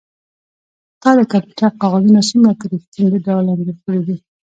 تا د کمپیوټر کاغذونه څومره په ریښتیني ډول انځور کړي دي